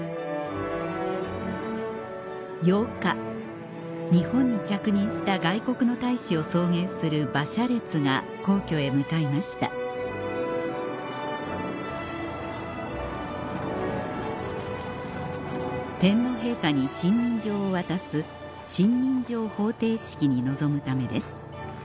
８日日本に着任した外国の大使を送迎する馬車列が皇居へ向かいました天皇陛下に信任状を渡す信任状捧呈式に臨むためです